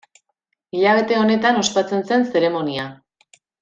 Hilabete honetan ospatzen zen zeremonia.